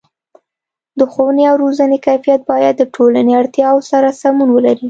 د ښوونې او روزنې کیفیت باید د ټولنې اړتیاو سره سمون ولري.